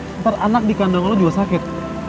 nanti anak di kandang lo juga sakit